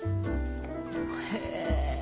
へえ。